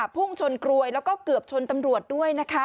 พุ่งชนกรวยและเกือบชนตำรวจด้วย